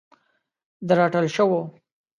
د رټل شوو